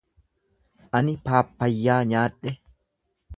Ani paappayyaa nyaadhe